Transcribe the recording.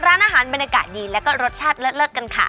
ร้านอาหารบรรยากาศดีแล้วก็รสชาติเลิศกันค่ะ